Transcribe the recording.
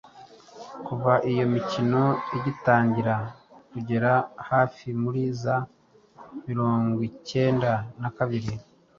Kuva iyo mikino igitangira kugera hafi muri za mirongwicyenda nakabiri